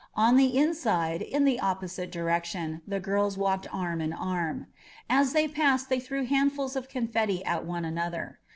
On the inside, in the op posite direction, the girls walked arm in arm. As they passed they threw bandfuls of confetti at one another.